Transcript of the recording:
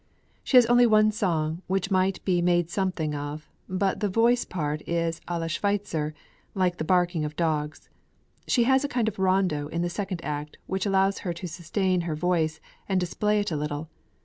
"She has one song, which might be made something of, but the voice part is à la Schweitzer, like the barking of dogs; she has a kind of rondo in the second act, which allows her to sustain her voice, and display it a little.